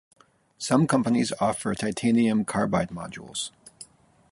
Some companies offer titanium carbide modules.